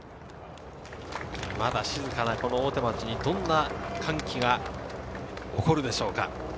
まだ静かな大手町に、どんな歓喜が起こるでしょうか。